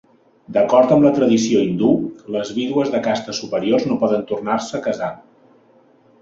D'acord amb la tradició hindú, les vídues de castes superiors no poden tornar-se a casar.